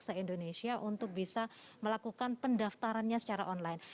se indonesia untuk bisa melakukan pendaftarannya secara online